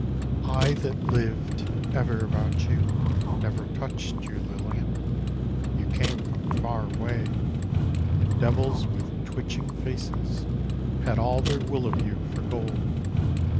I THAT lived ever about you Never touched you, Lilian ; You came from far away And devils with twitching faces Had all their will of you For gold.